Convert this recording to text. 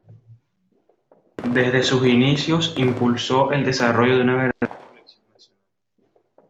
Desde sus inicios impulsó el desarrollo de una verdadera colección nacional.